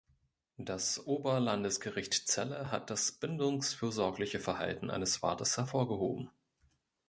Das Oberlandesgericht Celle hat das bindungsfürsorgliche Verhalten eines Vaters hervorgehoben.